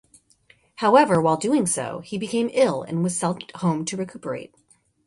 However, while doing so, he became ill and was sent home to recuperate.